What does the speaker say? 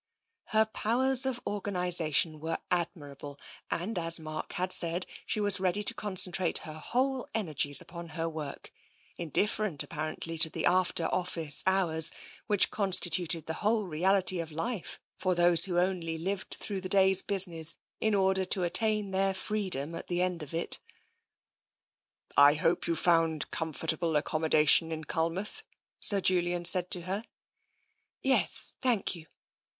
Her powers of organisation were admirable and, as Mark had said, she was ready to concentrate her whole energies upon her work, indifferent, apparently, to the after office hours which constituted the whole reality of life for those who only lived through the day's busi ness in order to attain their freedom at the end of it. *' I hope you have found comfortable accommodation in Culmouth," Sir Julian said to her. " Yes, thank you.''